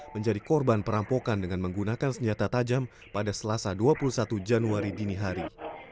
menjadi korban perampokan dengan menggunakan senjata tajam pada selasa dua puluh satu januari dini hari